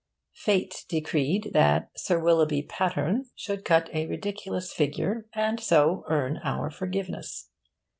Fate decreed that Sir Willoughby Patterne should cut a ridiculous figure and so earn our forgiveness.